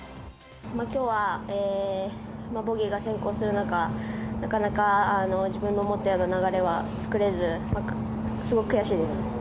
今日はボギーが先行する中なかなか自分の思ったような流れは作れずすごく悔しいです。